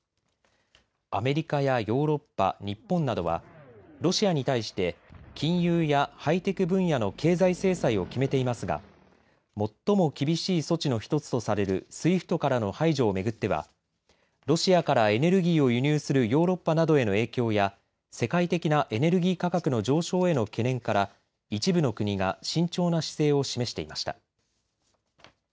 アメリカやヨーロッパ、日本などはロシアに対して金融やハイテク分野の経済制裁を決めていますが最も厳しい措置の１つとされるＳＷＩＦＴからの排除を巡ってはロシアからエネルギーを輸入するヨーロッパなどへの影響や世界的なエネルギー価格の上昇への懸念から一部の国が慎重な姿勢を示していました。